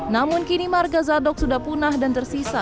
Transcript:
namun kini marga zadok sudah punah dan tersisa